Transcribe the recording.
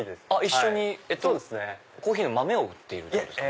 一緒にコーヒーの豆を売っているってことですか？